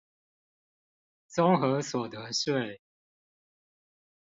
綜合所得稅